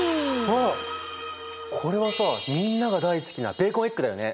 あっこれはさみんなが大好きなベーコンエッグだよね。